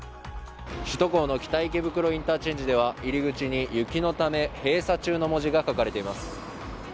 首都高の北池袋インターチェンジでは、入り口に雪のため閉鎖中の文字が書かれています。